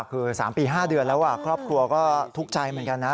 คือ๓ปี๕เดือนแล้วครอบครัวก็ทุกข์ใจเหมือนกันนะ